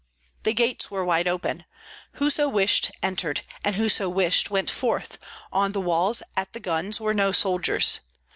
The gates were wide open; whoso wished entered, whoso wished went forth; on the walls, at the guns, were no soldiers.